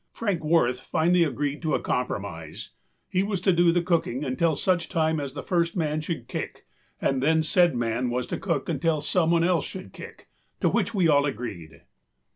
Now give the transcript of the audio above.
Frank Wirth finally agreed to a compromise: he was to do the cooking until such time as the first man should kick and then said man was to cook until someone else should kick, to which we all agreed.